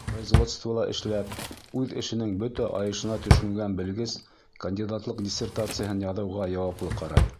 Производствола эшләп, үҙ эшенең бөтә айышына төшөнгән белгес кандидатлыҡ диссертацияһын яҙыуға яуаплы ҡарай.